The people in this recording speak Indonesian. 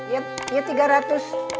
jadi ya tiga ratus